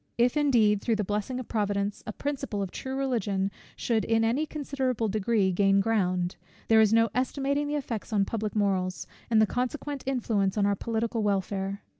If indeed, through the blessing of Providence, a principle of true Religion should in any considerable degree gain ground, there is no estimating the effects on public morals, and the consequent influence on our political welfare.